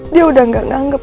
dia udah gak nganggep